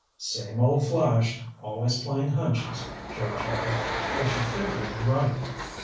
"Same old Flash, always playing hunches," Joe chuckled. "But you figured right.